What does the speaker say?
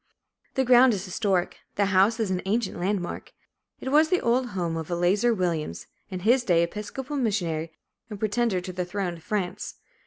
The ground is historic. The house is an ancient landmark. It was the old home of Eleazar Williams, in his day Episcopal missionary and pretender to the throne of France.